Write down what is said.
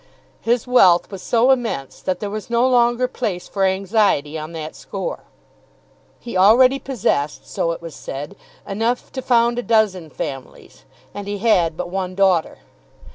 His wealth was so immense that there was no longer place for anxiety on that score. He already possessed, so it was said, enough to found a dozen families, and he had but one daughter!